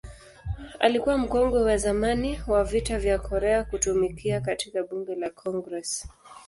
Alikuwa mkongwe wa zamani wa Vita vya Korea kutumikia katika Bunge la Congress.